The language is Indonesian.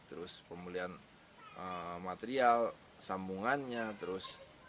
terus pemulihan material sambungannya terus